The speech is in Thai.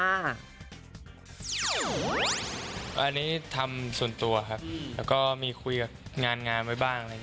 อันนี้ทำส่วนตัวครับแล้วก็มีคุยกับงานงานไว้บ้าง